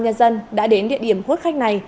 nhân dân đã đến địa điểm hút khách này